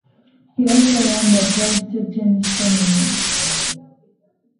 He also won the Tri-State Tennis Tournament.